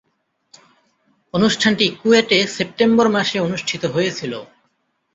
অনুষ্ঠানটি কুয়েটে সেপ্টেম্বর মাসে অনুষ্ঠিত হয়েছিলো।